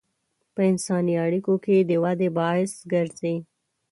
په انساني اړیکو کې د ودې باعث ګرځي.